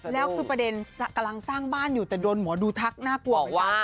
แล้วคือประเด็นกำลังสร้างบ้านอยู่แต่โดนหมอดูทักน่ากลัวไปบ้าง